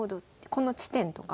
この地点とか？